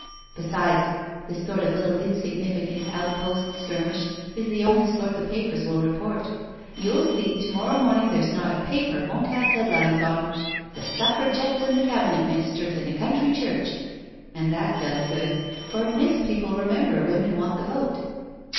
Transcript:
" Besides, this sort of little insignificant outpost skir mish is the only sort the papers will report. You'll see to morrow morning there's not a paper won't have headlines on ' the Suffragettes and the Cabinet Minis ters in a country church '— ^and that does good, for it makes people remember women want the vote."